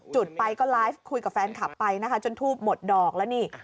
จุดไปก็ไลฟ์คุยกับแฟนคลับไปนะคะจนทูบหมดดอกแล้วนี่